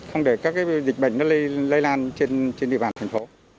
không để các dịch bệnh lây lan trên địa bàn thành phố